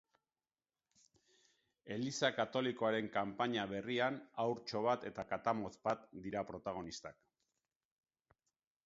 Eliza katolikoaren kanpaina berrian haurtxo bat eta katamotz bat dira protagonistak.